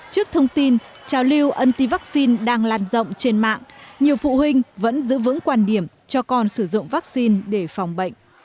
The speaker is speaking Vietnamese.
trước thông tin trào lưu anti vaccine đang làn rộng trên mạng nhiều phụ huynh vẫn giữ vững quan điểm cho con sử dụng vaccine để phòng bệnh